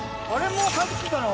もう帰ってきてたの？